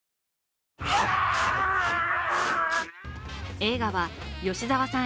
映画は吉澤さん